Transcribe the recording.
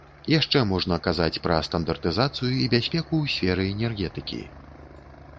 Яшчэ можна казаць пра стандартызацыю і бяспеку ў сферы энергетыкі.